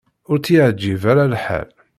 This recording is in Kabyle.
Ur tt-yeɛjib ara lḥal.